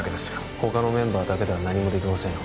他のメンバーだけでは何もできませんよ